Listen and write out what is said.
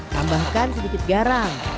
tambahkan sedikit garam